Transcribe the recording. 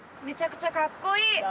めちゃくちゃかっこいい！